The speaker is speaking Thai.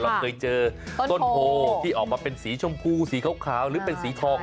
เราเคยเจอต้นโพที่ออกมาเป็นสีชมพูสีขาวหรือเป็นสีทอง